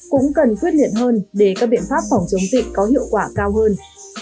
cũng cần quyết liệt hơn để các biện pháp phòng chống dịch có hiệu quả cao hơn